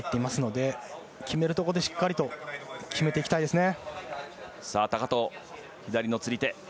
決めるところでしっかりと決めていきたいですね。